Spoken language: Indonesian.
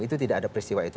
itu tidak ada peristiwa itu